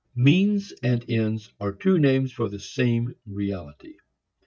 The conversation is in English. Means and ends are two names for the same reality.